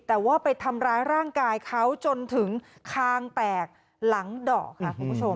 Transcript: แต่ว่าไปทำร้ายร่างกายเขาจนถึงคางแตกหลังดอกค่ะคุณผู้ชม